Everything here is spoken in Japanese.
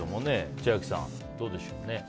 千秋さん、どうでしょうね。